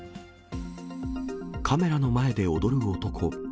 カメラの前で踊る男。